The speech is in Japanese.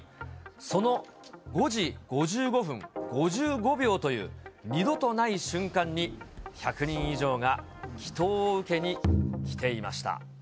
その５時５５分５５秒という、二度とない瞬間に、１００人以上が祈とうを受けに来ていました。